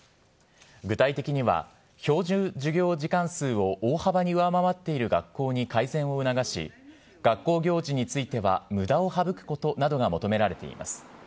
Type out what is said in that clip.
具体的には、標準授業時間数を大幅に上回っている学校に改善を促し、学校行事については、むだを省くことなどが求められています。